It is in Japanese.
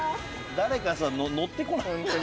誰か乗ってこない？